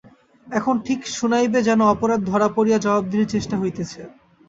এখন ঠিক শুনাইবে যেন অপরাধ ধরা পড়িয়া জবাবদিহির চেষ্টা হইতেছে।